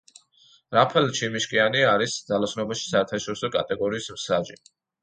რაფაელ ჩიმიშკიანი არის ძალოსნობაში საერთაშორისო კატეგორიის მსაჯი.